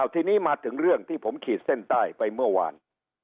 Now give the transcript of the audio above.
ทีนี้มาถึงเรื่องที่ผมขีดเส้นใต้ไปเมื่อวาน